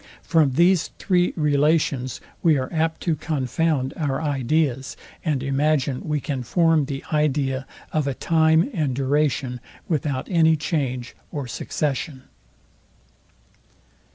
From these three relations we are apt to confound our ideas, and imagine we can form the idea of a time and duration, without any change or succession.